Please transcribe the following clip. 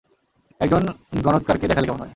একজন গণৎকারকে দেখালে কেমন হয়?